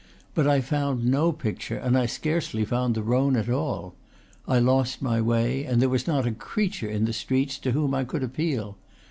But I found no pic ture, and I scarcely found the Rhone at all. I lost my way, and there was not a creature in the streets to whom I could appeal.